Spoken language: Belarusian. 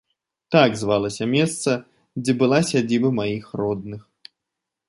Так звалася месца, дзе была сядзіба маіх родных.